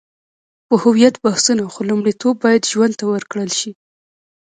په هویت بحثونه، خو لومړیتوب باید ژوند ته ورکړل شي.